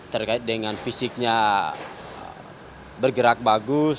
terkait dengan fisiknya bergerak bagus